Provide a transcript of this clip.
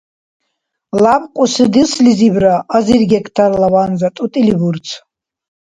Лябкьуси дуслизибра азир гектарла ванза тӀутӀили бурцу.